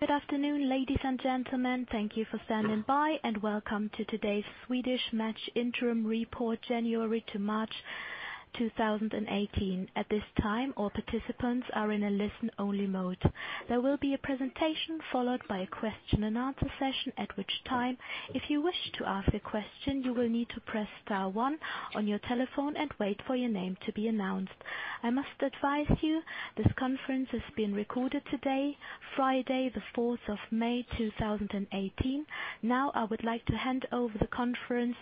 Good afternoon, ladies and gentlemen. Thank you for standing by, welcome to today's Swedish Match Interim Report, January to March 2018. At this time, all participants are in a listen only mode. There will be a presentation followed by a question and answer session, at which time, if you wish to ask a question, you will need to press star one on your telephone and wait for your name to be announced. I must advise you, this conference is being recorded today, Friday, the 4th of May, 2018. I would like to hand over the conference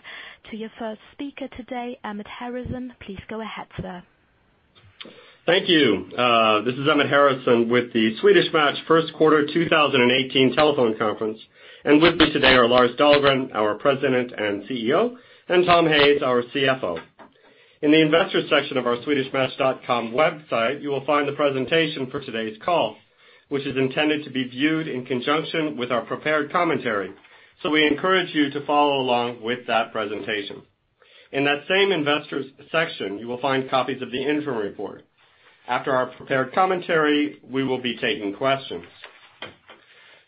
to your first speaker today, Emmett Harrison. Please go ahead, sir. Thank you. This is Emmett Harrison with the Swedish Match First Quarter 2018 Telephone Conference, with me today are Lars Dahlgren, our President and CEO, Tom Hayes, our CFO. In the investor section of our swedishmatch.com website, you will find the presentation for today's call, which is intended to be viewed in conjunction with our prepared commentary. We encourage you to follow along with that presentation. In that same investor section, you will find copies of the interim report. After our prepared commentary, we will be taking questions.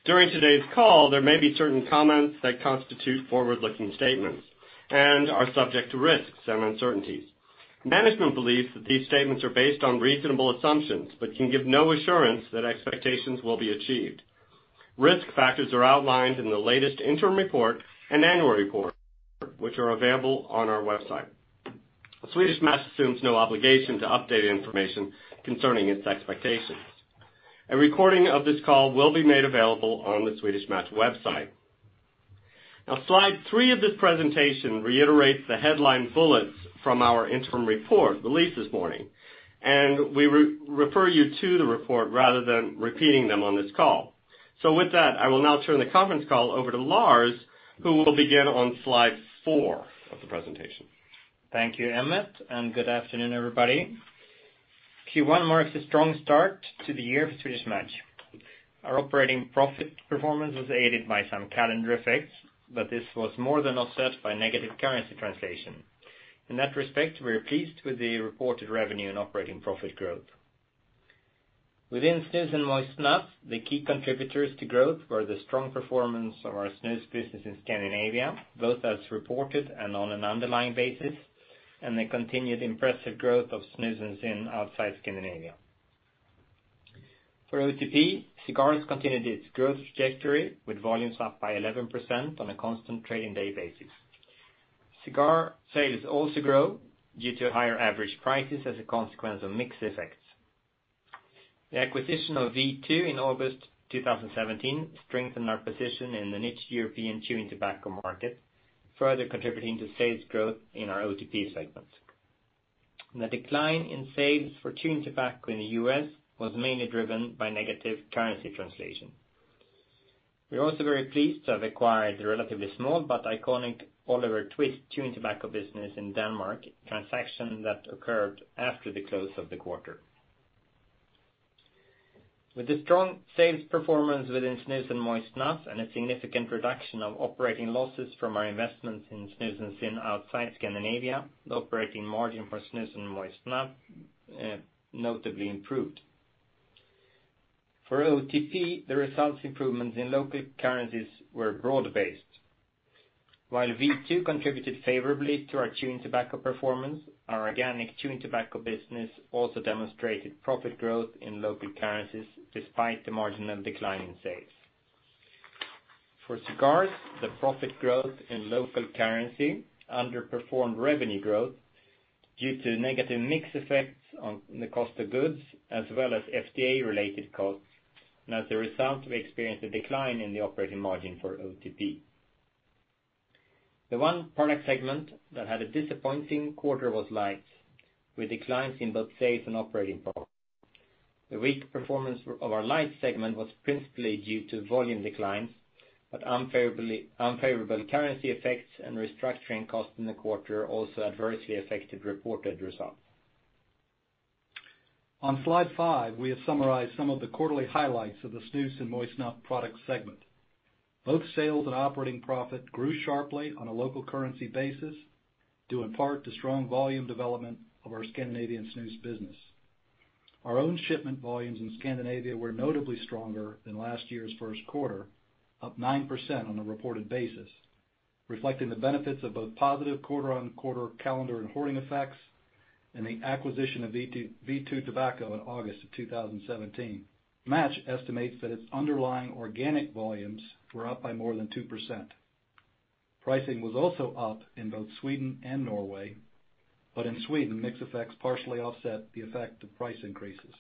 During today's call, there may be certain comments that constitute forward-looking statements and are subject to risks and uncertainties. Management believes that these statements are based on reasonable assumptions but can give no assurance that expectations will be achieved. Risk factors are outlined in the latest interim report and annual report, which are available on our website. Swedish Match assumes no obligation to update information concerning its expectations. A recording of this call will be made available on the Swedish Match website. Slide three of this presentation reiterates the headline bullets from our interim report released this morning, we refer you to the report rather than repeating them on this call. With that, I will now turn the conference call over to Lars, who will begin on slide four of the presentation. Thank you, Emmett, good afternoon, everybody. Q1 marks a strong start to the year for Swedish Match. Our operating profit performance was aided by some calendar effects, this was more than offset by negative currency translation. In that respect, we are pleased with the reported revenue and operating profit growth. Within snus and moist snuff, the key contributors to growth were the strong performance of our snus business in Scandinavia, both as reported and on an underlying basis, the continued impressive growth of snus and ZYN outside Scandinavia. For OTP, cigars continued its growth trajectory with volumes up by 11% on a constant trading day basis. Cigar sales also grow due to higher average prices as a consequence of mix effects. The acquisition of V2 in August 2017 strengthened our position in the niche European chewing tobacco market, further contributing to sales growth in our OTP segments. The decline in sales for chewing tobacco in the U.S. was mainly driven by negative currency translation. We are also very pleased to have acquired the relatively small but iconic Oliver Twist chewing tobacco business in Denmark, a transaction that occurred after the close of the quarter. With the strong sales performance within snus and moist snuff and a significant reduction of operating losses from our investments in snus and ZYN outside Scandinavia, the operating margin for snus and moist snuff notably improved. For OTP, the results improvements in local currencies were broad-based. While V2 contributed favorably to our chewing tobacco performance, our organic chewing tobacco business also demonstrated profit growth in local currencies despite the marginal decline in sales. For cigars, the profit growth in local currency underperformed revenue growth due to negative mix effects on the cost of goods as well as FDA-related costs. As a result, we experienced a decline in the operating margin for OTP. The one product segment that had a disappointing quarter was lights, with declines in both sales and operating profit. The weak performance of our lights segment was principally due to volume declines, unfavorable currency effects and restructuring costs in the quarter also adversely affected reported results. On slide five, we have summarized some of the quarterly highlights of the snus and moist snuff product segment. Both sales and operating profit grew sharply on a local currency basis due in part to strong volume development of our Scandinavian snus business. Our own shipment volumes in Scandinavia were notably stronger than last year's first quarter, up 9% on a reported basis, reflecting the benefits of both positive quarter-on-quarter calendar and hoarding effects and the acquisition of V2 Tobacco in August of 2017. Match estimates that its underlying organic volumes were up by more than 2%. Pricing was also up in both Sweden and Norway, in Sweden, mix effects partially offset the effect of price increases.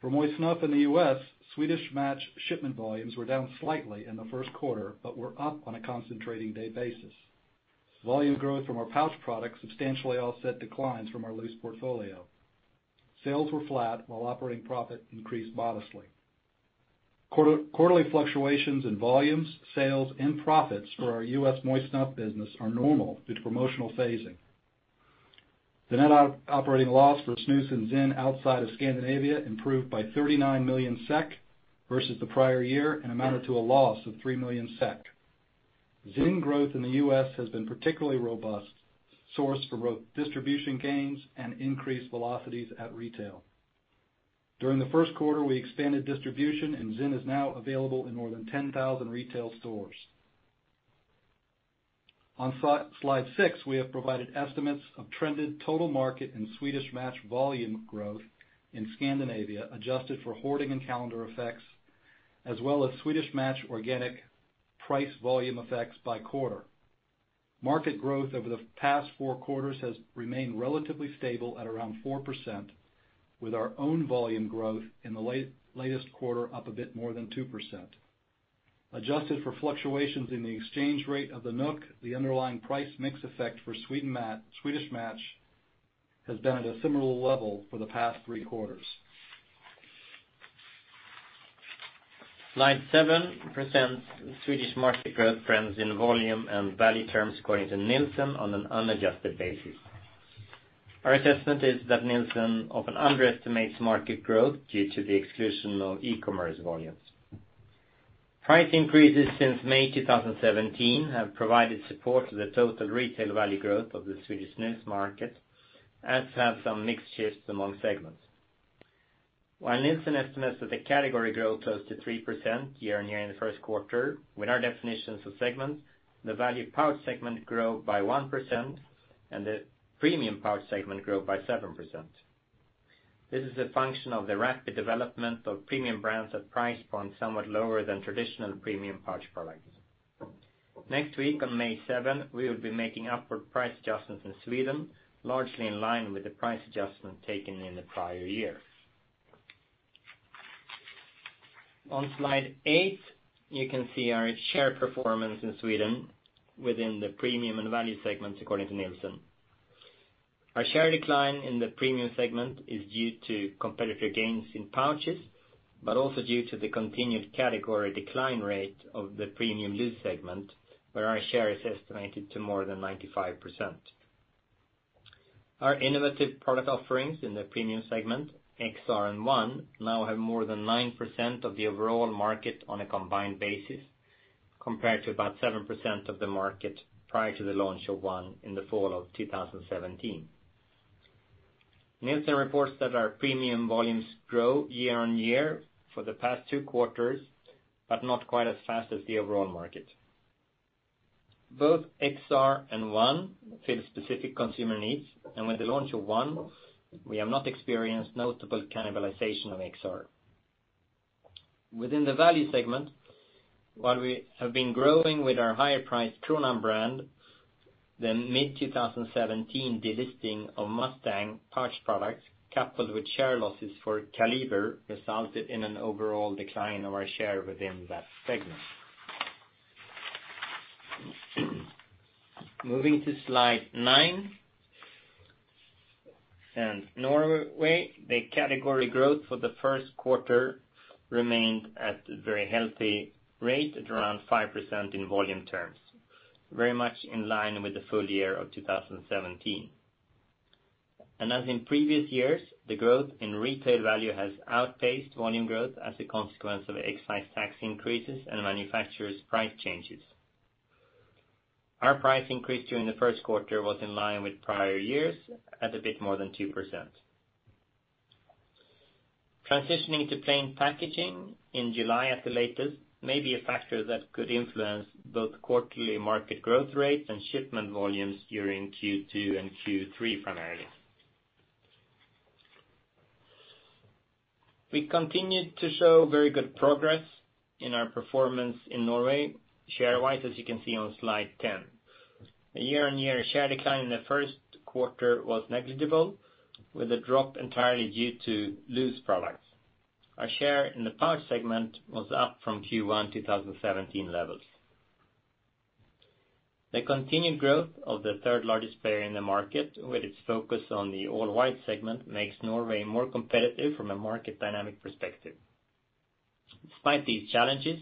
For moist snuff in the U.S., Swedish Match shipment volumes were down slightly in the first quarter but were up on a constant trading day basis. Volume growth from our pouch products substantially offset declines from our loose portfolio. Sales were flat while operating profit increased modestly. Quarterly fluctuations in volumes, sales, and profits for our U.S. moist snuff business are normal due to promotional phasing. The net operating loss for snus and ZYN outside of Scandinavia improved by 39 million SEK versus the prior year and amounted to a loss of 3 million SEK. ZYN growth in the U.S. has been particularly robust, sourced for both distribution gains and increased velocities at retail. During the first quarter, we expanded distribution, ZYN is now available in more than 10,000 retail stores. On slide six, we have provided estimates of trended total market and Swedish Match volume growth in Scandinavia, adjusted for hoarding and calendar effects, as well as Swedish Match organic price volume effects by quarter. Market growth over the past four quarters has remained relatively stable at around 4%, with our own volume growth in the latest quarter up a bit more than 2%. Adjusted for fluctuations in the exchange rate of the NOK, the underlying price mix effect for Swedish Match has been at a similar level for the past three quarters. Slide seven presents Swedish Match growth trends in volume and value terms according to Nielsen on an unadjusted basis. Our assessment is that Nielsen often underestimates market growth due to the exclusion of e-commerce volumes. Price increases since May 2017 have provided support to the total retail value growth of the Swedish snus market, as have some mix shifts among segments. While Nielsen estimates that the category grew close to 3% year-on-year in the first quarter, with our definitions of segments, the value pouch segment grew by 1% and the premium pouch segment grew by 7%. This is a function of the rapid development of premium brands at price points somewhat lower than traditional premium pouch products. Next week, on May 7, we will be making upward price adjustments in Sweden, largely in line with the price adjustment taken in the prior year. On slide eight, you can see our share performance in Sweden within the premium and value segments according to Nielsen. Our share decline in the premium segment is due to competitive gains in pouches, but also due to the continued category decline rate of the premium loose segment, where our share is estimated to more than 95%. Our innovative product offerings in the premium segment, XR and ONE, now have more than 9% of the overall market on a combined basis, compared to about 7% of the market prior to the launch of ONE in the fall of 2017. Nielsen reports that our premium volumes grow year-on-year for the past two quarters, but not quite as fast as the overall market. Both XR and ONE fill specific consumer needs, and with the launch of ONE, we have not experienced notable cannibalization of XR. Within the value segment, while we have been growing with our higher priced Kronan brand, the mid-2017 delisting of Mustang pouch products, coupled with share losses for Kaliber, resulted in an overall decline of our share within that segment. Moving to slide nine. In Norway, the category growth for the first quarter remained at a very healthy rate at around 5% in volume terms, very much in line with the full year of 2017. As in previous years, the growth in retail value has outpaced volume growth as a consequence of excise tax increases and manufacturers' price changes. Our price increase during the first quarter was in line with prior years at a bit more than 2%. Transitioning to plain packaging in July at the latest may be a factor that could influence both quarterly market growth rates and shipment volumes during Q2 and Q3 primarily. We continued to show very good progress in our performance in Norway, share-wise, as you can see on slide 10. The year-on-year share decline in the first quarter was negligible, with a drop entirely due to loose products. Our share in the pouch segment was up from Q1 2017 levels. The continued growth of the third largest player in the market, with its focus on the all-white segment, makes Norway more competitive from a market dynamic perspective. Despite these challenges,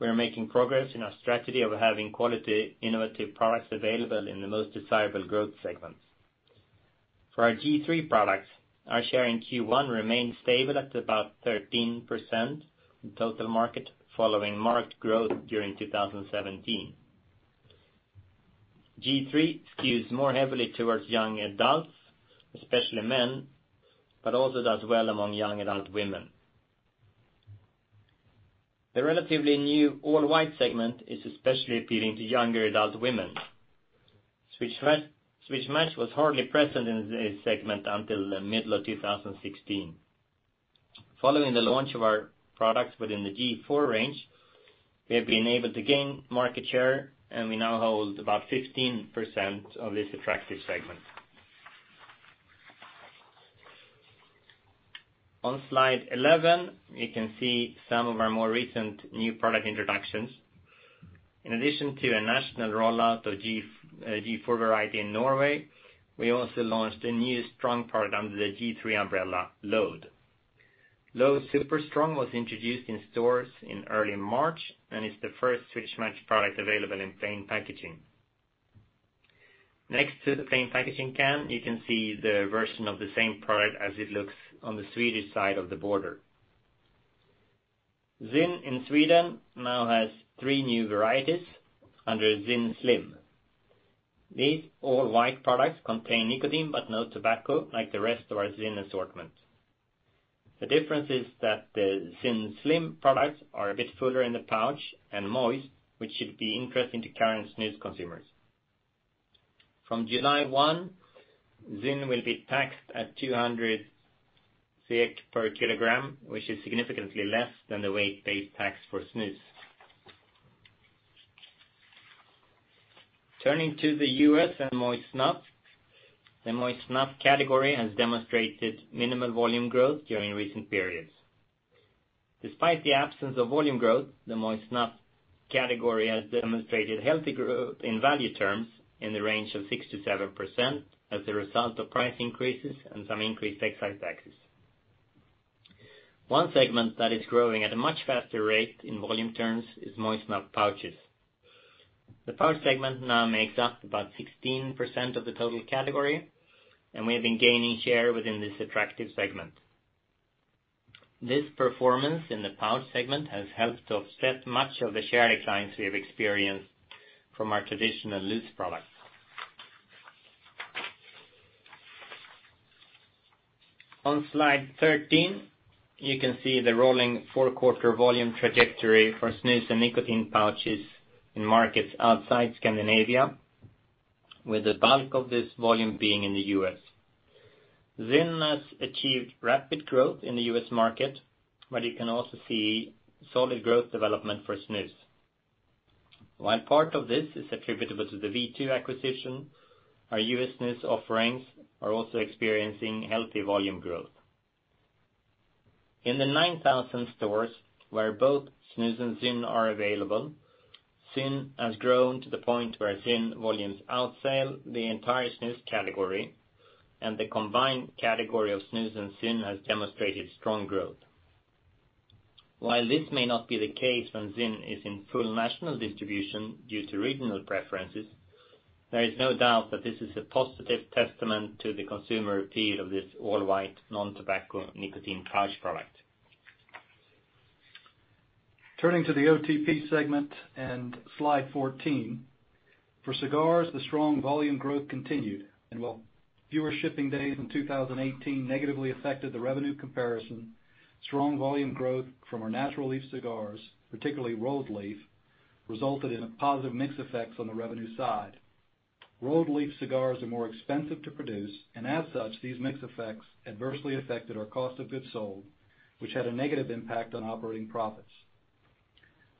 we are making progress in our strategy of having quality, innovative products available in the most desirable growth segments. For our G.3 products, our share in Q1 remained stable at about 13% in total market, following marked growth during 2017. G.3 skews more heavily towards young adults, especially men, but also does well among young adult women. The relatively new all-white segment is especially appealing to younger adult women. Swedish Match was hardly present in this segment until the middle of 2016. Following the launch of our products within the G.4 range, we have been able to gain market share, and we now hold about 15% of this attractive segment. On slide 11, you can see some of our more recent new product introductions. In addition to a national rollout of G.4 variety in Norway, we also launched a new strong product under the G.3 umbrella, Load. G.3 Load Super Strong was introduced in stores in early March and is the first Swedish Match product available in plain packaging. Next to the plain packaging can, you can see the version of the same product as it looks on the Swedish side of the border. ZYN in Sweden now has three new varieties under ZYN Slim. These all-white products contain nicotine but no tobacco, like the rest of our ZYN assortment. The difference is that the ZYN Slim products are a bit fuller in the pouch and moist, which should be interesting to current snus consumers. From July 1, ZYN will be taxed at 200 SEK per kilogram, which is significantly less than the weight-based tax for snus. Turning to the U.S. and moist snuff. The moist snuff category has demonstrated minimal volume growth during recent periods. Despite the absence of volume growth, the moist snuff category has demonstrated healthy growth in value terms in the range of 6%-7% as a result of price increases and some increased excise taxes. One segment that is growing at a much faster rate in volume terms is moist snuff pouches. The pouch segment now makes up about 16% of the total category, and we have been gaining share within this attractive segment. This performance in the pouch segment has helped to offset much of the share declines we have experienced from our traditional loose products. On slide 13, you can see the rolling four-quarter volume trajectory for snus and nicotine pouches in markets outside Scandinavia, with the bulk of this volume being in the U.S. ZYN has achieved rapid growth in the U.S. market, but you can also see solid growth development for snus. One part of this is attributable to the V2 acquisition. Our U.S. snus offerings are also experiencing healthy volume growth. In the 9,000 stores where both snus and ZYN are available, ZYN has grown to the point where ZYN volumes outsell the entire snus category, and the combined category of snus and ZYN has demonstrated strong growth. While this may not be the case when ZYN is in full national distribution due to regional preferences, there is no doubt that this is a positive testament to the consumer appeal of this all-white non-tobacco nicotine pouch product. Turning to the OTP segment and slide 14. For cigars, the strong volume growth continued. While fewer shipping days in 2018 negatively affected the revenue comparison, strong volume growth from our natural leaf cigars, particularly rolled leaf, resulted in positive mix effects on the revenue side. Rolled leaf cigars are more expensive to produce, as such, these mix effects adversely affected our cost of goods sold, which had a negative impact on operating profits.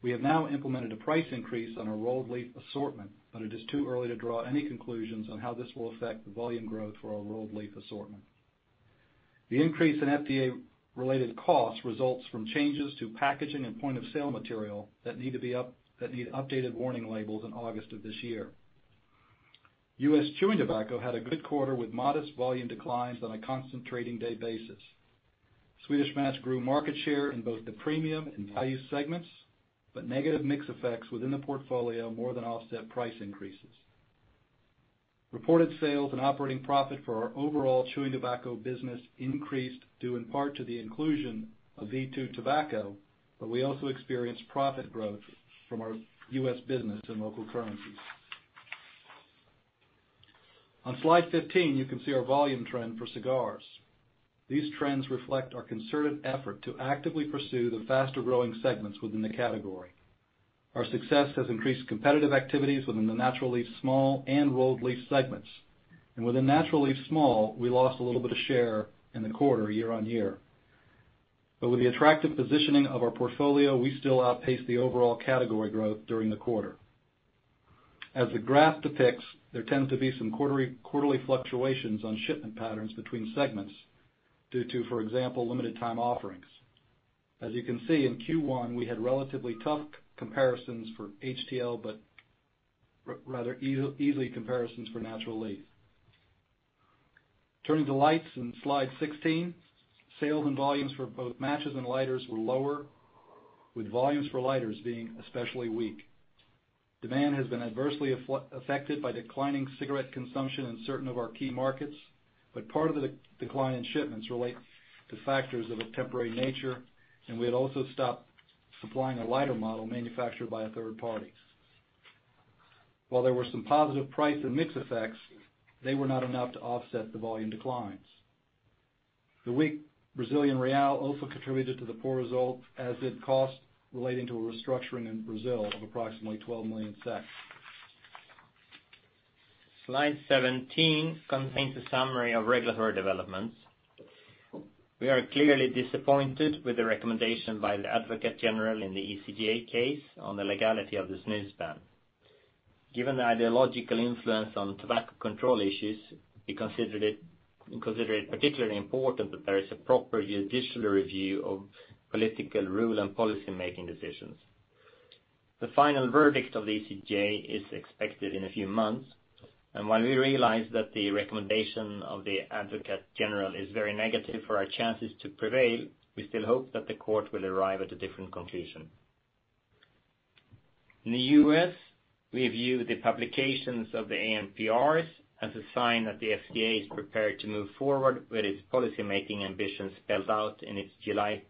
We have now implemented a price increase on our rolled leaf assortment, it is too early to draw any conclusions on how this will affect the volume growth for our rolled leaf assortment. The increase in FDA-related costs results from changes to packaging and point-of-sale material that need updated warning labels in August of this year. U.S. chewing tobacco had a good quarter with modest volume declines on a constant trading day basis. Swedish Match grew market share in both the premium and value segments, negative mix effects within the portfolio more than offset price increases. Reported sales and operating profit for our overall chewing tobacco business increased due in part to the inclusion of V2 Tobacco, we also experienced profit growth from our U.S. business in local currencies. On slide 15, you can see our volume trend for cigars. These trends reflect our concerted effort to actively pursue the faster-growing segments within the category. Our success has increased competitive activities within the natural leaf, small, and rolled leaf segments. Within natural leaf, small, we lost a little bit of share in the quarter year-on-year. With the attractive positioning of our portfolio, we still outpaced the overall category growth during the quarter. As the graph depicts, there tends to be some quarterly fluctuations on shipment patterns between segments due to, for example, limited time offerings. As you can see in Q1, we had relatively tough comparisons for HTL, rather easy comparisons for natural leaf. Turning to lights in slide 16, sales and volumes for both matches and lighters were lower, with volumes for lighters being especially weak. Demand has been adversely affected by declining cigarette consumption in certain of our key markets, part of the decline in shipments relate to factors of a temporary nature, we had also stopped supplying a lighter model manufactured by a third party. There were some positive price and mix effects, they were not enough to offset the volume declines. The weak Brazilian real also contributed to the poor results, as did costs relating to a restructuring in Brazil of approximately 12 million SEK. Slide 17 contains a summary of regulatory developments. We are clearly disappointed with the recommendation by the Advocate General in the ECJ case on the legality of the snus ban. Given the ideological influence on tobacco control issues, we consider it particularly important that there is a proper judicial review of political rule and policy-making decisions. While we realize that the recommendation of the Advocate General is very negative for our chances to prevail, we still hope that the court will arrive at a different conclusion. In the U.S., we view the publications of the ANPRs as a sign that the FDA is prepared to move forward with its policy-making ambitions spelled out in its July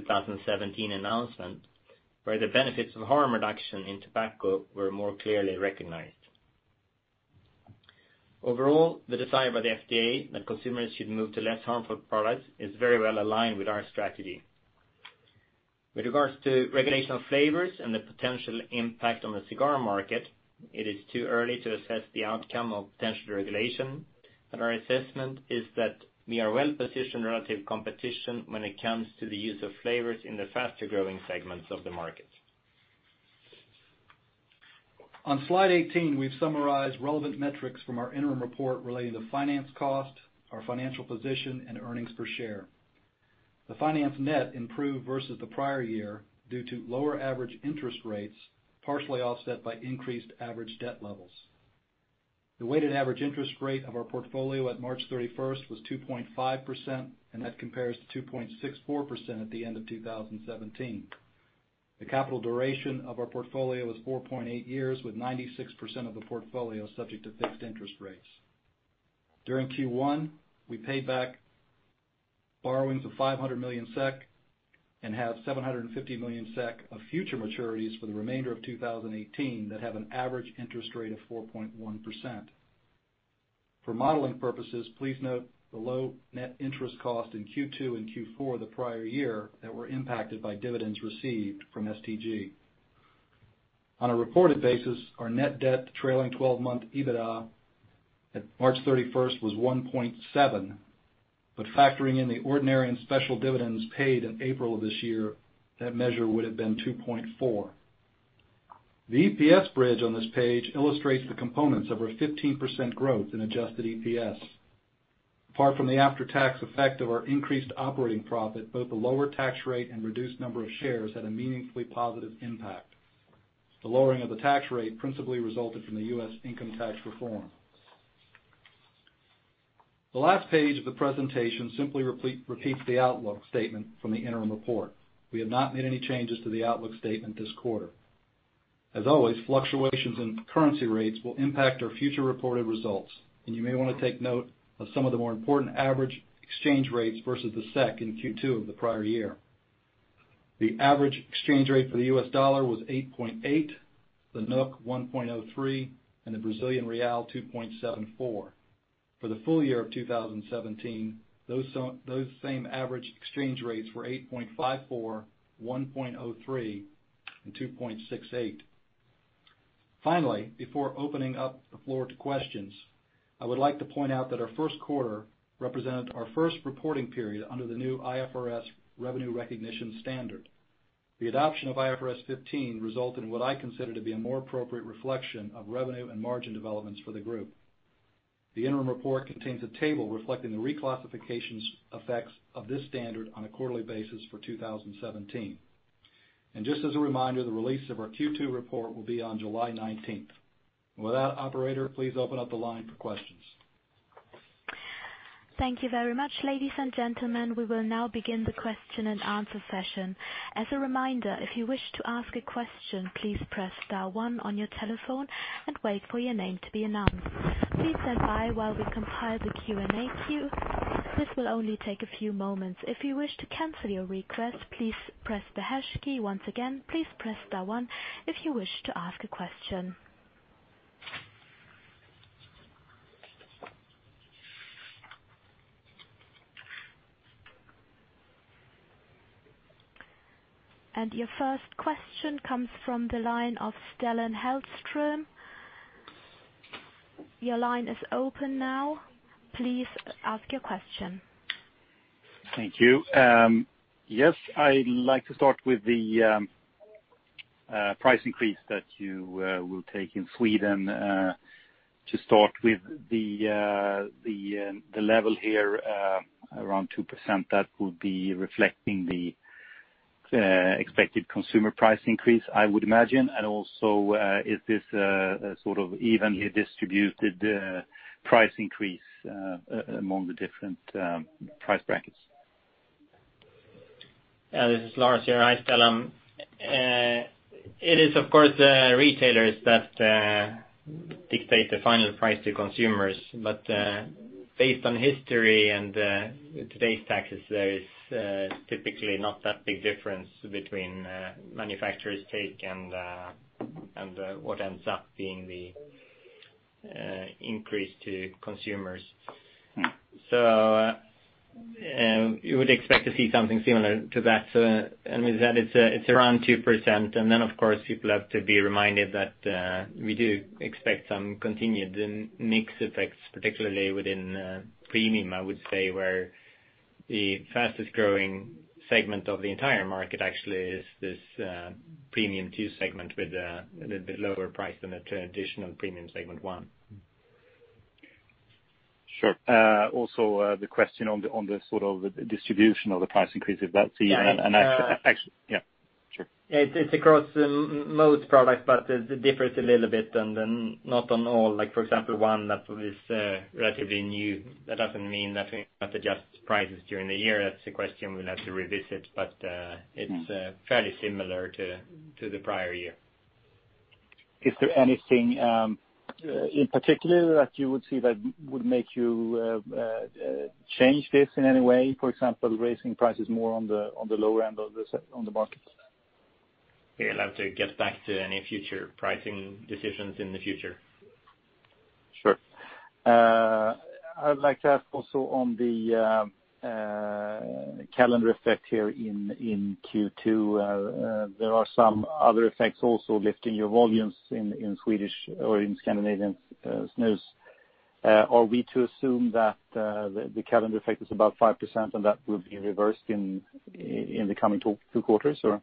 2017 announcement, where the benefits of harm reduction in tobacco were more clearly recognized. Overall, the desire by the FDA that consumers should move to less harmful products is very well aligned with our strategy. With regards to regulation of flavors and the potential impact on the cigar market, it is too early to assess the outcome of potential regulation, our assessment is that we are well-positioned relative competition when it comes to the use of flavors in the faster-growing segments of the market. On slide 18, we've summarized relevant metrics from our interim report relating to finance cost, our financial position and earnings per share. The finance net improved versus the prior year due to lower average interest rates, partially offset by increased average debt levels. The weighted average interest rate of our portfolio at March 31st was 2.5%, that compares to 2.64% at the end of 2017. The capital duration of our portfolio was 4.8 years, with 96% of the portfolio subject to fixed interest rates. During Q1, we paid back borrowings of 500 million SEK and have 750 million SEK of future maturities for the remainder of 2018 that have an average interest rate of 4.1%. For modeling purposes, please note the low net interest cost in Q2 and Q4 the prior year that were impacted by dividends received from STG. On a reported basis, our net debt trailing 12-month EBITDA at March 31st was 1.7. Factoring in the ordinary and special dividends paid in April of this year, that measure would have been 2.4. The EPS bridge on this page illustrates the components of our 15% growth in adjusted EPS. Apart from the after-tax effect of our increased operating profit, both the lower tax rate and reduced number of shares had a meaningfully positive impact. The lowering of the tax rate principally resulted from the U.S. income tax reform. The last page of the presentation simply repeats the outlook statement from the interim report. We have not made any changes to the outlook statement this quarter. As always, fluctuations in currency rates will impact our future reported results. You may want to take note of some of the more important average exchange rates versus the SEK in Q2 of the prior year. The average exchange rate for the US dollar was 8.8, the NOK, 1.03, and the Brazilian real, 2.74. For the full year of 2017, those same average exchange rates were 8.54, 1.03 and 2.68. Before opening up the floor to questions, I would like to point out that our first quarter represented our first reporting period under the new IFRS revenue recognition standard. The adoption of IFRS 15 resulted in what I consider to be a more appropriate reflection of revenue and margin developments for the Group. The interim report contains a table reflecting the reclassifications effects of this standard on a quarterly basis for 2017. Just as a reminder, the release of our Q2 report will be on July 19th. With that, operator, please open up the line for questions. Thank you very much, ladies and gentlemen. We will now begin the question and answer session. As a reminder, if you wish to ask a question, please press star one on your telephone and wait for your name to be announced. Please stand by while we compile the Q&A queue. This will only take a few moments. If you wish to cancel your request, please press the hash key. Once again, please press star one if you wish to ask a question. Your first question comes from the line of Stellan Hellström. Your line is open now. Please ask your question. Thank you. Yes, I would like to start with the price increase that you will take in Sweden to start with the level here around 2%. That would be reflecting the expected consumer price increase, I would imagine. Is this a sort of evenly distributed price increase among the different price brackets? This is Lars Dahlgren here. Hi, Stellan. It is, of course, retailers that dictate the final price to consumers. Based on history and today's taxes, there is typically not that big difference between manufacturer's take and what ends up being the increase to consumers. You would expect to see something similar to that. With that, it's around 2%. Of course, people have to be reminded that we do expect some continued mix effects, particularly within premium, I would say, where the fastest-growing segment of the entire market actually is this Premium 2 segment with a little bit lower price than the traditional Premium segment 1. Sure. Also, the question on the distribution of the price increase, if that's even an actual Yeah. Yeah. Sure. It's across most products, but it differs a little bit and not on all. For example, one that is relatively new. That doesn't mean that we won't adjust prices during the year. That's a question we'll have to revisit, but it's fairly similar to the prior year. Is there anything in particular that you would see that would make you change this in any way, for example, raising prices more on the low end of the market? We allow to get back to any future pricing decisions in the future. Sure. I would like to ask also on the calendar effect here in Q2. There are some other effects also lifting your volumes in Swedish or in Scandinavian snus. Are we to assume that the calendar effect is about 5% and that will be reversed in the coming two quarters, or?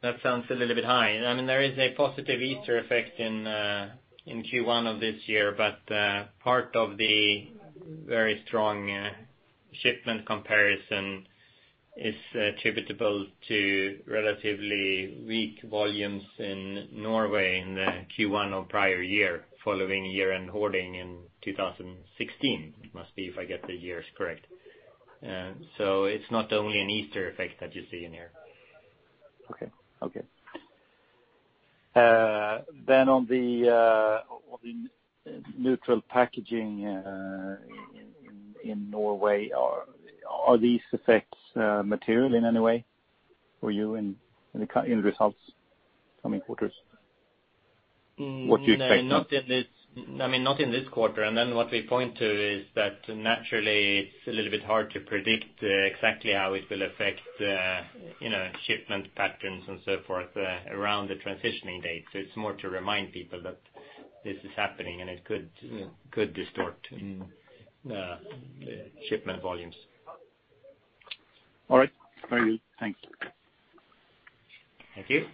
That sounds a little bit high. There is a positive Easter effect in Q1 of this year, but part of the very strong shipment comparison is attributable to relatively weak volumes in Norway in the Q1 of prior year and hoarding in 2016. It must be if I get the years correct. It's not only an Easter effect that you see in here. Okay. On the neutral packaging in Norway, are these effects material in any way for you in the results coming quarters? What do you expect now? No, not in this quarter. What we point to is that naturally it's a little bit hard to predict exactly how it will affect shipment patterns and so forth around the transitioning date. It's more to remind people that this is happening, and it could distort the shipment volumes. All right. Very good. Thank you. Thank you.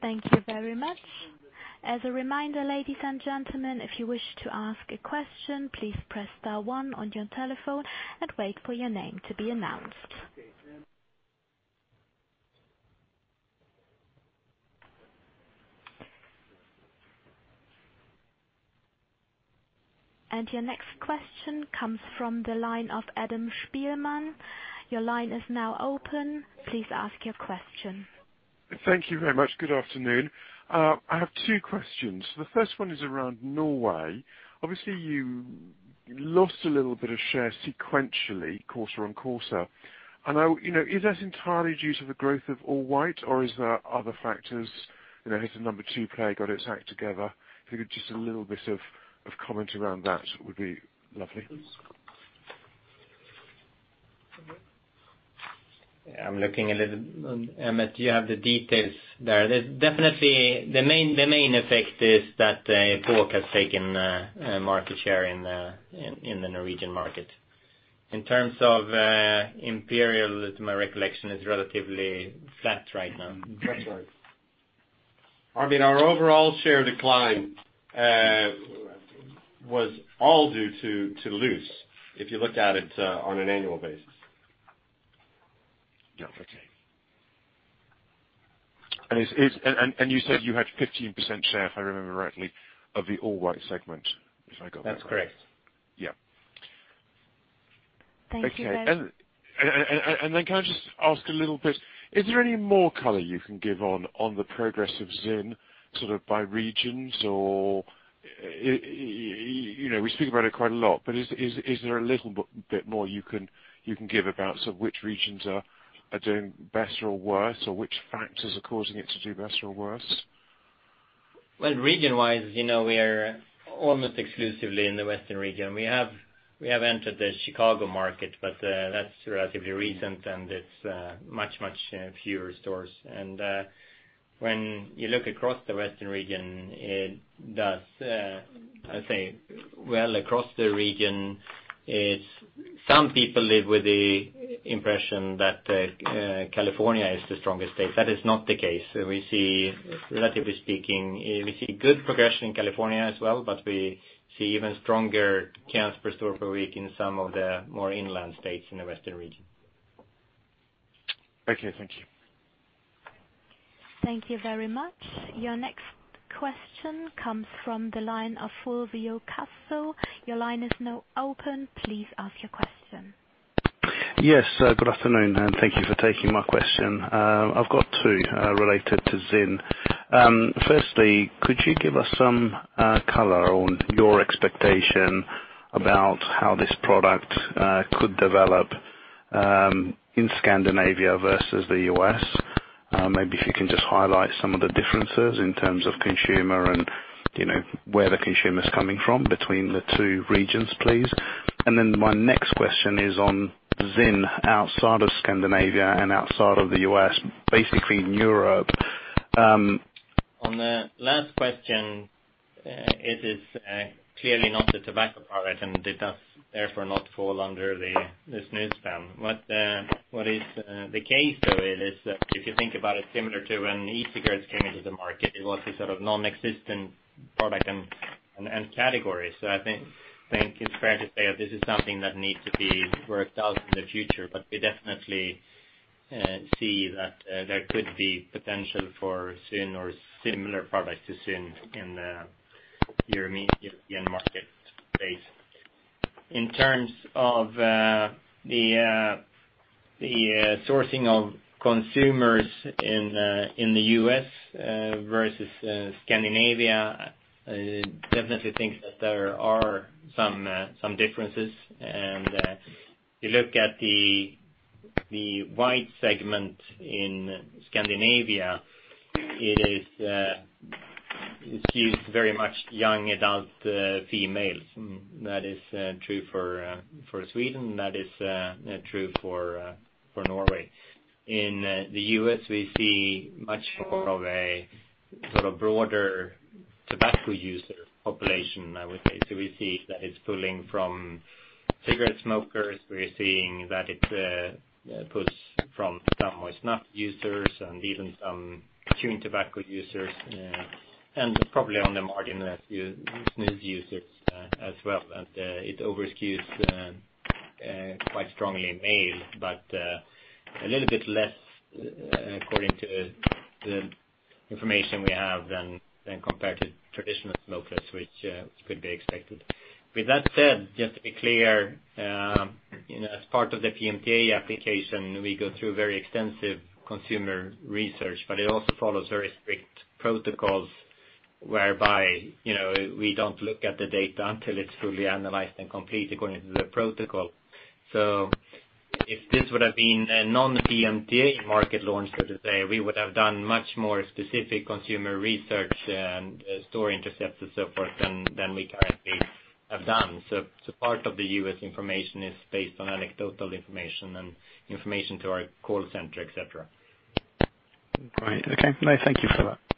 Thank you very much. As a reminder, ladies and gentlemen, if you wish to ask a question, please press star one on your telephone and wait for your name to be announced. Your next question comes from the line of Adam Spielman. Your line is now open. Please ask your question. Thank you very much. Good afternoon. I have two questions. The first one is around Norway. Obviously, you lost a little bit of share sequentially, quarter-on-quarter. I know, is that entirely due to the growth of all-white or is there other factors? Has the number 2 player got its act together? If you could, just a little bit of comment around that would be lovely. I'm looking a little, Emmett, do you have the details there? Definitely the main effect is that Epok has taken market share in the Norwegian market. In terms of Imperial, my recollection is relatively flat right now. That's right. Our overall share decline was all due to loose, if you look at it on an annual basis. Yeah. Okay. You said you had 15% share, if I remember rightly, of the all-white segment, if I got that right. That's correct. Yeah. Thank you. Okay. Can I just ask a little bit, is there any more color you can give on the progress of ZYN sort of by regions? We speak about it quite a lot, is there a little bit more you can give about sort of which regions are doing better or worse, or which factors are causing it to do better or worse? Well, region-wise, we are almost exclusively in the Western region. We have entered the Chicago market, that's relatively recent, it's much fewer stores. When you look across the Western region, it does, I'd say, well across the region, it's some people live with the impression that California is the strongest state. That is not the case. Relatively speaking, we see good progression in California as well, we see even stronger cans per store per week in some of the more inland states in the Western region. Okay. Thank you. Thank you very much. Your next question comes from the line of Fulvio Castro. Your line is now open. Please ask your question. Yes. Good afternoon, and thank you for taking my question. I've got two related to ZYN. Firstly, could you give us some color on your expectation about how this product could develop in Scandinavia versus the U.S.? Maybe if you can just highlight some of the differences in terms of consumer and where the consumer is coming from between the two regions, please. Then my next question is on ZYN outside of Scandinavia and outside of the U.S., basically in Europe. On the last question, it is clearly not a tobacco product, and it does therefore not fall under the snus ban. What is the case though is that if you think about it similar to when e-cigarettes came into the market, it was a sort of non-existent product and category. I think it's fair to say that this is something that needs to be worked out in the future, but we definitely see that there could be potential for ZYN or similar products to ZYN in the European market space. In terms of the sourcing of consumers in the U.S. versus Scandinavia, I definitely think that there are some differences. If you look at the white segment in Scandinavia, it skews very much young adult females. That is true for Sweden, and that is true for Norway. In the U.S., we see much more of a broader tobacco user population, I would say. We see that it's pulling from cigarette smokers. We're seeing that it pulls from some more snuff users, and even some chewing tobacco users, and probably on the margin a few snus users as well. It overskews quite strongly male, but a little bit less according to the information we have than compared to traditional smokers, which could be expected. With that said, just to be clear, as part of the PMTA application, we go through very extensive consumer research, but it also follows very strict protocols whereby we don't look at the data until it's fully analyzed and complete according to the protocol. If this would have been a non-PMTA market launch, so to say, we would have done much more specific consumer research and store intercepts and so forth than we currently have done. Part of the U.S. information is based on anecdotal information and information to our call center, et cetera. Great. Okay. No, thank you for that.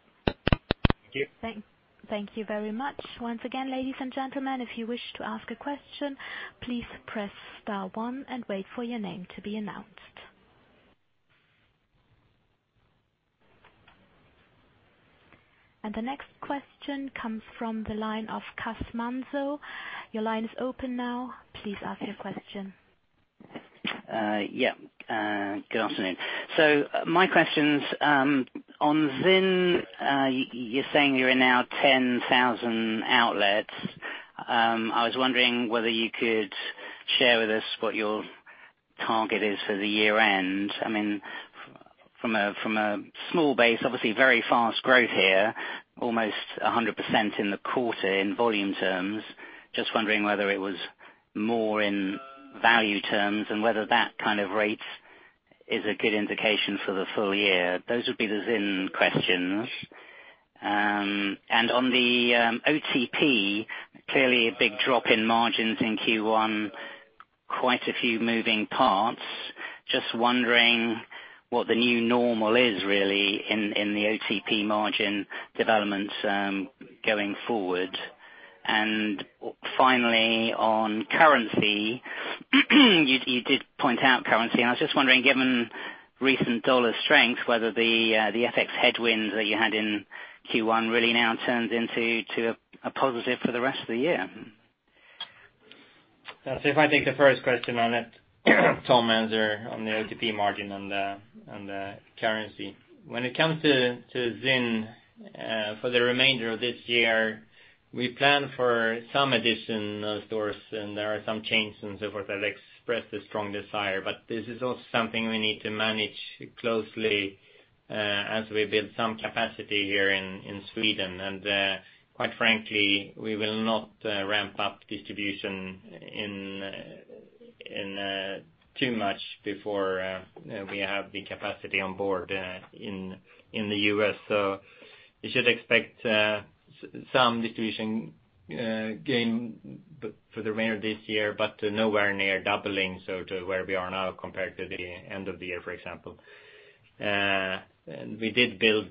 Thank you. Thank you very much. Once again, ladies and gentlemen, if you wish to ask a question, please press star one and wait for your name to be announced. The next question comes from the line of Cas Manzo. Your line is open now. Please ask your question. Good afternoon. My question's on ZYN. You're saying you're in now 10,000 outlets. I was wondering whether you could share with us what your target is for the year-end. From a small base, obviously very fast growth here, almost 100% in the quarter in volume terms. Just wondering whether it was more in value terms, and whether that kind of rate is a good indication for the full year. Those would be the ZYN questions. On the OTP, clearly a big drop in margins in Q1, quite a few moving parts. Just wondering what the new normal is really in the OTP margin developments going forward. Finally, on currency, you did point out currency, and I was just wondering, given recent US dollar strength, whether the FX headwinds that you had in Q1 really now turns into a positive for the rest of the year. If I take the first question on it, Tom answer on the OTP margin and the currency. When it comes to ZYN, for the remainder of this year, we plan for some additional stores, and there are some chains and so forth that expressed a strong desire. But this is also something we need to manage closely as we build some capacity here in Sweden. Quite frankly, we will not ramp up distribution too much before we have the capacity on board in the U.S. You should expect some distribution gain for the remainder of this year, but nowhere near doubling, so to where we are now compared to the end of the year, for example. We did build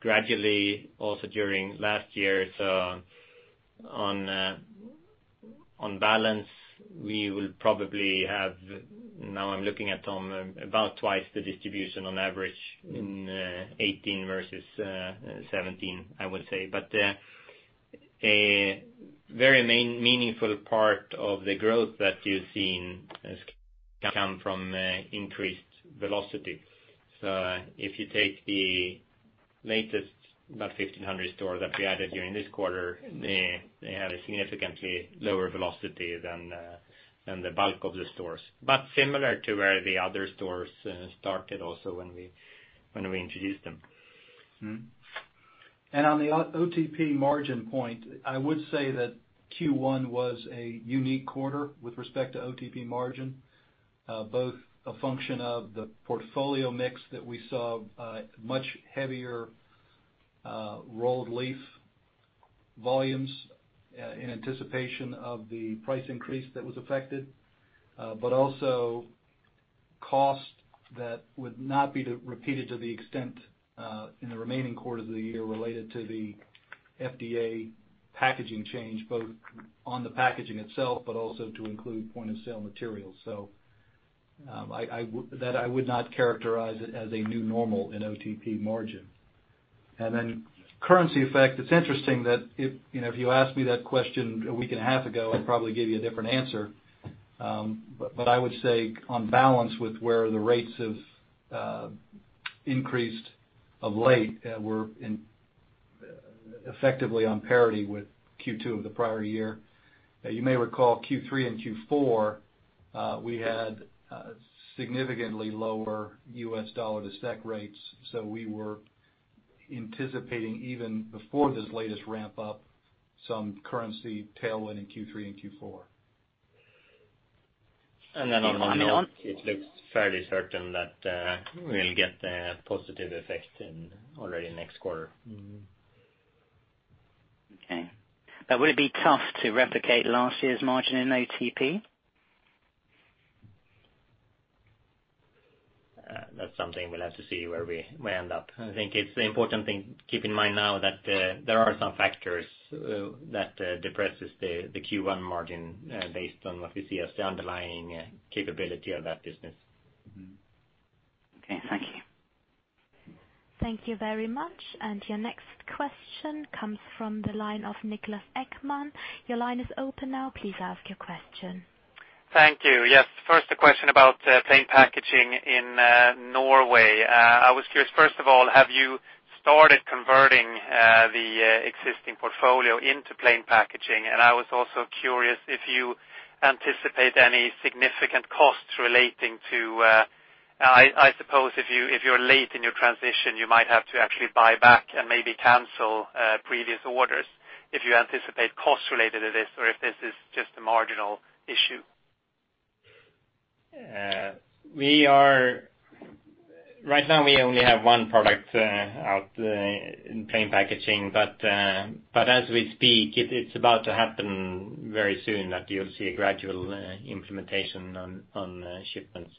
gradually also during last year. On balance, we will probably have, now I'm looking at Tom, about twice the distribution on average in 2018 versus 2017, I would say. A very meaningful part of the growth that you've seen has come from increased velocity. If you take the latest, about 1,500 stores that we added during this quarter, they have a significantly lower velocity than the bulk of the stores. Similar to where the other stores started also when we introduced them. On the OTP margin point, I would say that Q1 was a unique quarter with respect to OTP margin. Both a function of the portfolio mix that we saw much heavier rolled leaf volumes in anticipation of the price increase that was affected, but also cost that would not be repeated to the extent in the remaining quarter of the year related to the FDA packaging change, both on the packaging itself, but also to include point-of-sale materials. I would not characterize it as a new normal in OTP margin. Currency effect, it's interesting that if you asked me that question a week and a half ago, I'd probably give you a different answer. I would say on balance with where the rates have increased of late, we're in Effectively on parity with Q2 of the prior year. You may recall Q3 and Q4, we had significantly lower US dollar to SEK rates, we were anticipating even before this latest ramp up, some currency tailwind in Q3 and Q4. On the- On the- it looks fairly certain that we'll get the positive effect in already next quarter. Okay. Now, would it be tough to replicate last year's margin in OTP? That's something we'll have to see where we end up. I think it's the important thing keep in mind now that there are some factors that depresses the Q1 margin based on what we see as the underlying capability of that business. Mm-hmm. Okay. Thank you. Thank you very much. Your next question comes from the line of Niklas Ekman. Your line is open now. Please ask your question. Thank you. Yes. First a question about plain packaging in Norway. I was curious, first of all, have you started converting the existing portfolio into plain packaging? I was also curious if you anticipate any significant costs relating to, I suppose if you're late in your transition, you might have to actually buy back and maybe cancel previous orders. If you anticipate costs related to this, or if this is just a marginal issue. Right now we only have one product out in plain packaging. As we speak, it's about to happen very soon that you'll see a gradual implementation on shipments.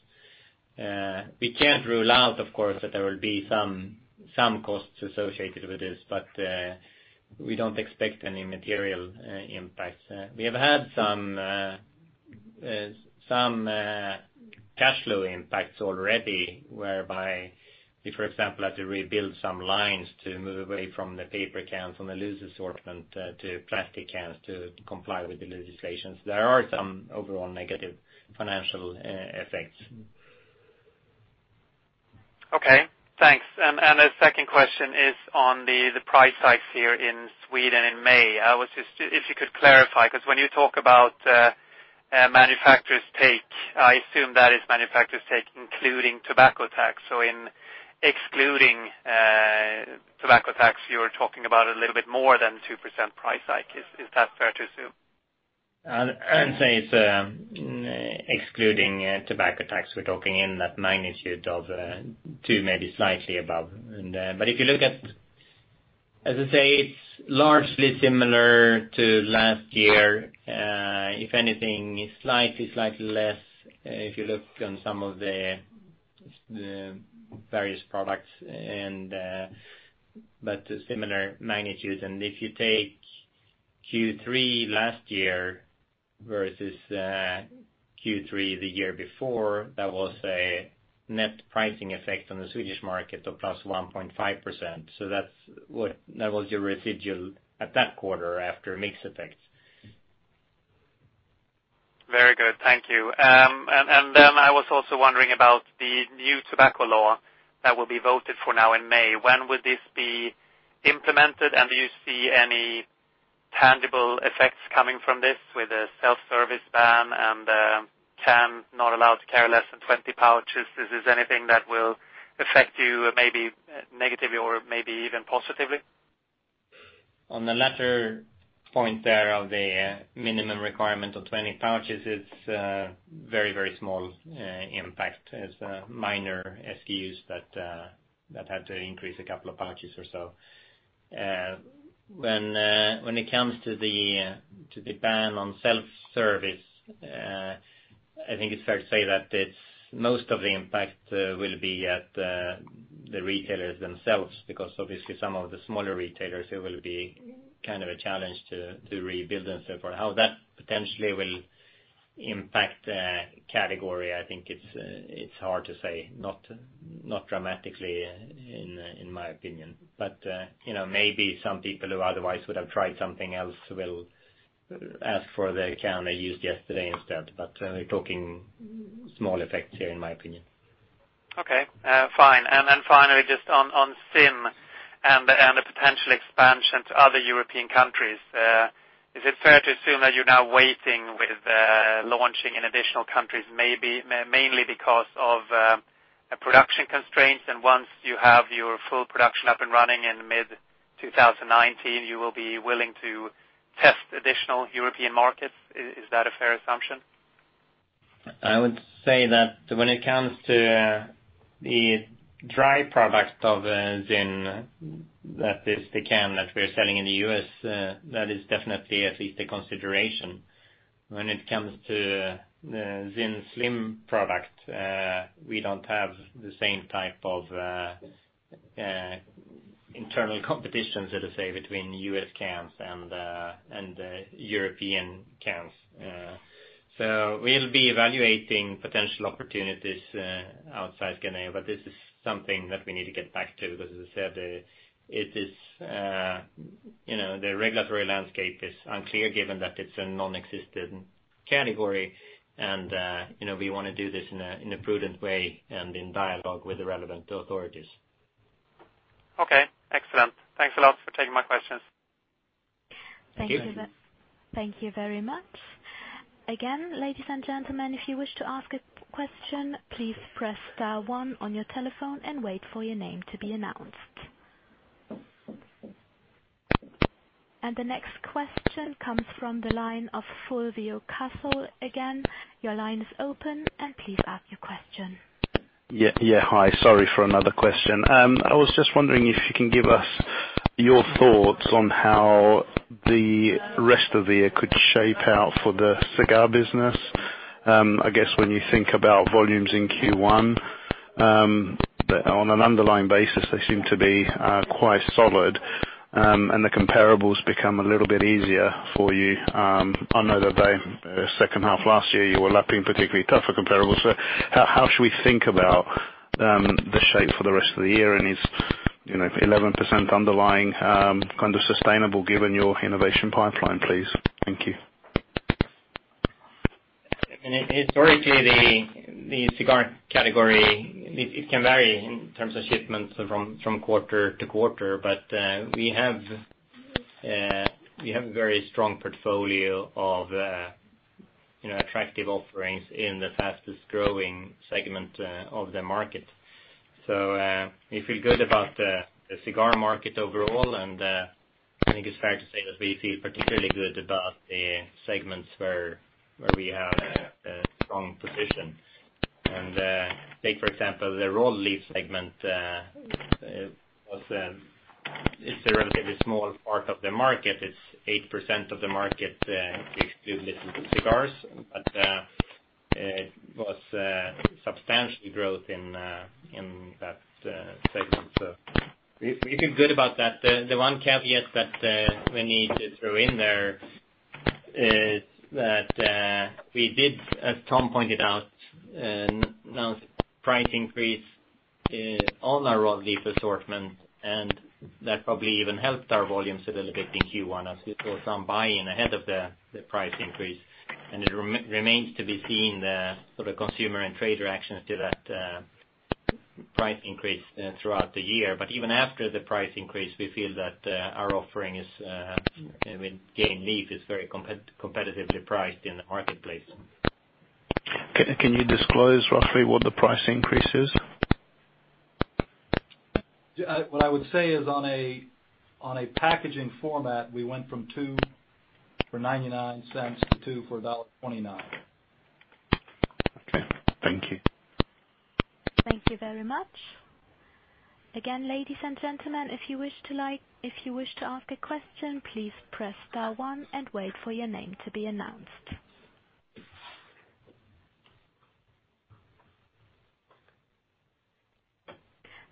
We can't rule out, of course, that there will be some costs associated with this, but we don't expect any material impacts. We have had some cashflow impacts already, whereby we, for example, had to rebuild some lines to move away from the paper cans on the loose assortment to plastic cans to comply with the legislations. There are some overall negative financial effects. Okay, thanks. A second question is on the price hikes here in Sweden in May. If you could clarify, because when you talk about manufacturer's take, I assume that is manufacturer's take including tobacco tax. In excluding tobacco tax, you're talking about a little bit more than 2% price hike. Is that fair to assume? I'd say it's excluding tobacco tax, we're talking in that magnitude of two, maybe slightly above. As I say, it's largely similar to last year. If anything, it's slightly less, if you look on some of the various products, but a similar magnitude. If you take Q3 last year versus Q3 the year before, that was a net pricing effect on the Swedish market of plus 1.5%. That was your residual at that quarter after mix effects. Very good. Thank you. I was also wondering about the new tobacco law that will be voted for now in May. When would this be implemented, and do you see any tangible effects coming from this with a self-service ban and cans not allowed to carry less than 20 pouches? Is this anything that will affect you maybe negatively or maybe even positively? On the latter point there of the minimum requirement of 20 pouches, it's a very small impact. It's minor SKUs that had to increase a couple of pouches or so. When it comes to the ban on self-service, I think it's fair to say that most of the impact will be at the retailers themselves, because obviously some of the smaller retailers, it will be a challenge to rebuild and so forth. How that potentially will impact category, I think it's hard to say. Not dramatically in my opinion. Maybe some people who otherwise would have tried something else will ask for the can they used yesterday instead. We're talking small effects here in my opinion. Okay. Fine. Finally, just on ZYN and the potential expansion to other European countries, is it fair to assume that you're now waiting with launching in additional countries, mainly because of production constraints? Once you have your full production up and running in mid-2019, you will be willing to test additional European markets? Is that a fair assumption? I would say that when it comes to the dry product of ZYN, that is the can that we're selling in the U.S., that is definitely at least a consideration. When it comes to ZYN Slim product, we don't have the same type of internal competition, so to say, between U.S. cans and European cans. We'll be evaluating potential opportunities outside Guinea, but this is something that we need to get back to because as I said, the regulatory landscape is unclear given that it's a non-existent category and we want to do this in a prudent way and in dialogue with the relevant authorities. Okay. Excellent. Thanks a lot for taking my questions. Thank you very much. Again, ladies and gentlemen, if you wish to ask a question, please press star one on your telephone and wait for your name to be announced. The next question comes from the line of Fulvio Castro. Again, your line is open and please ask your question. Yeah. Hi, sorry for another question. I was just wondering if you can give us your thoughts on how the rest of the year could shape out for the cigar business. I guess when you think about volumes in Q1, on an underlying basis, they seem to be quite solid, the comparables become a little bit easier for you. I know that by the second half last year, you were lapping particularly tougher comparables. How should we think about the shape for the rest of the year and is 11% underlying, kind of sustainable given your innovation pipeline, please? Thank you. Historically, the cigar category, it can vary in terms of shipments from quarter to quarter. We have a very strong portfolio of attractive offerings in the fastest-growing segment of the market. We feel good about the cigar market overall, and I think it's fair to say that we feel particularly good about the segments where we have a strong position. Take, for example, the rolled leaf segment, it's a relatively small part of the market. It's 8% of the market if you include little cigars, but it was substantial growth in that segment. We feel good about that. The one caveat that we need to throw in there is that we did, as Tom pointed out, announce a price increase on our natural leaf assortment, and that probably even helped our volumes a little bit in Q1 as we saw some buying ahead of the price increase. It remains to be seen the sort of consumer and trader actions to that price increase throughout the year. Even after the price increase, we feel that our offering is, I mean, Game Leaf is very competitively priced in the marketplace. Can you disclose roughly what the price increase is? What I would say is on a packaging format, we went from two for $0.99 to two for $1.29. Okay. Thank you. Thank you very much. Again, ladies and gentlemen, if you wish to ask a question, please press star one and wait for your name to be announced.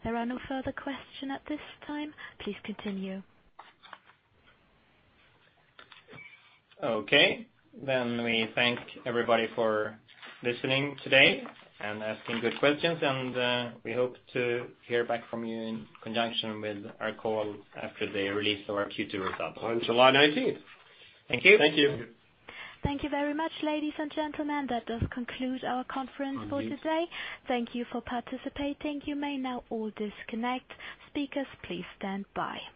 There are no further question at this time. Please continue. We thank everybody for listening today and asking good questions, and we hope to hear back from you in conjunction with our call after the release of our Q2 results. On July 19th. Thank you. Thank you. Thank you very much, ladies and gentlemen. That does conclude our conference call today. Thank you for participating. You may now all disconnect. Speakers, please stand by.